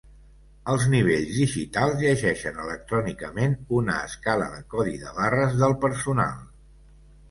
Els nivells digitals llegeixen electrònicament una escala de codi de barres del personal.